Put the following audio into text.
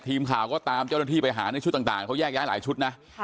ทีมข่าวก็ตามเจ้าหน้าที่ไปหาในชุดต่างเขาแยกย้ายหลายชุดนะ